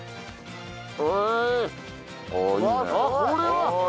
これは。